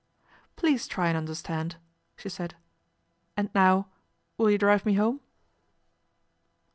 " Please try and understand," she said, " and now will you drive me home